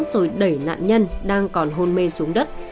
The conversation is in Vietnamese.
rồi đẩy nạn nhân đang còn hôn mê xuống đất